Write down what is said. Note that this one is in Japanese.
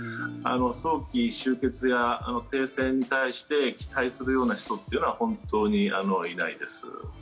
早期終結や停戦に対して期待するような人というのは本当にいないです。